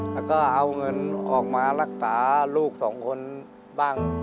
แล้วก็เอาเงินออกมารักษาลูกสองคนบ้าง